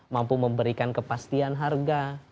mampu memberikan kepastian harga